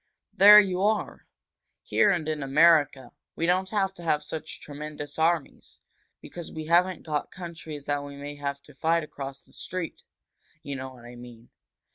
"There you are! Here and in America, we don't have to have such tremendous armies, because we haven't got countries that we may have to fight across the street you know what I mean.